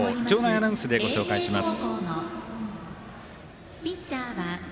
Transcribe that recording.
アナウンスでご紹介します。